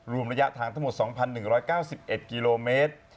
รวมระยะทางทั้งหมด๒๑๙๑กิโลเมตร